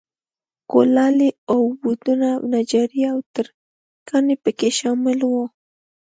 کولالي، اوبدنه، نجاري او ترکاڼي په کې شامل و.